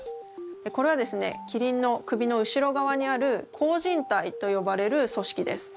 これはですねキリンの首の後ろ側にある項靱帯と呼ばれる組織です。